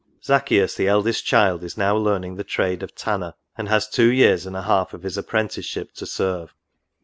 Zaccheus, the eldest child, is now learning the trade of tanner, and has two years and a half of his apprenticeship to serve.